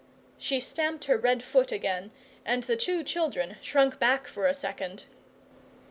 She stamped her red foot again, and the two children shrunk back for a second.